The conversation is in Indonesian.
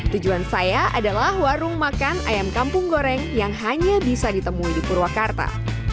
tujuan saya adalah warung makan ayam kampung goreng yang hanya bisa ditemui di purwakarta